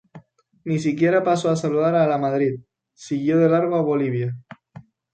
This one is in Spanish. Ni siquiera pasó a saludar a Lamadrid: siguió de largo a Bolivia.